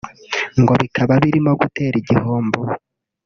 ngo bikaba birimo gutera igihombo